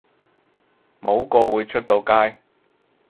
冇個會出到街